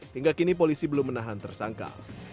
hingga kini polisi belum menahan tersangka